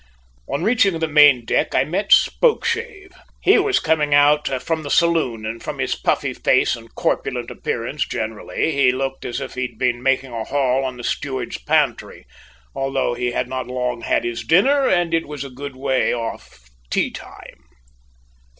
On reaching the main deck I met Spokeshave. He was coming out from the saloon, and from his puffy face and corpulent appearance generally, he looked as if he had been making a haul on the steward's pantry, although he had not long had his dinner and it was a good way off tea time.